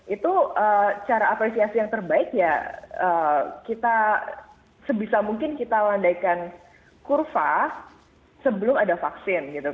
itu cara apresiasi yang terbaik ya kita sebisa mungkin kita landaikan kurva sebelum ada vaksin